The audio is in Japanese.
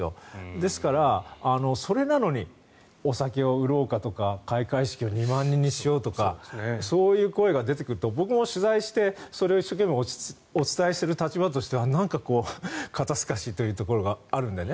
ですから、それなのにお酒を売ろうかとか開会式を２万人にしようとかそういう声が出てくると僕も取材してそれを一生懸命お伝えする立場としてはなんかこう、肩透かしというところがあるんでね。